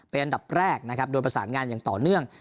เป็นอันดับแรกนะครับโดยประสานงานอย่างต่อเนื่อง